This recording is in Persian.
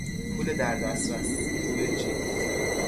پول در دسترس، پول جیب